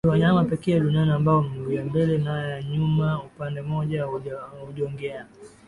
Ndio wanyama pekee duniani ambao miguu ya mbele naya nyima ya upande mmoja hujongea